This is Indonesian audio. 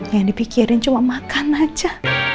yang dipikirin cuma makan aja